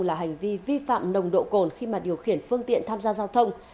là hành vi vi phạm nồng độ cồn khi mà điều khiển phương tiện tham gia giao thông